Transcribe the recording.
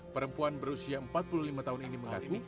perempuan berusia empat puluh lima tahun ini mengaku